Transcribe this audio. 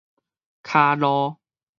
跤路